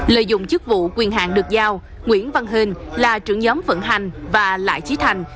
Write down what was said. lợi dụng chức vụ quyền hạng được giao nguyễn văn hên là trưởng nhóm vận hành và lại trí thành